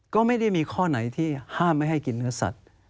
ก็ไม่ได้มีข้อไหนที่ห้ามไม่ให้กินเนื้อสัตว์